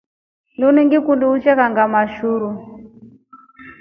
Linu ngikundi kiuche kanʼgama shuru.